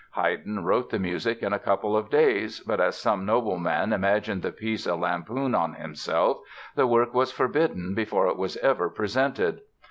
Haydn wrote the music in a couple of days, but as some nobleman imagined the piece a lampoon on himself, the work was forbidden before it was ever presented.